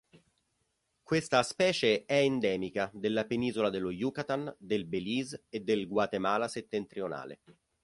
Questa specie è endemica della Penisola dello Yucatán, del Belize e del Guatemala settentrionale.